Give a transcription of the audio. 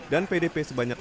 dan pdp sebanyak satu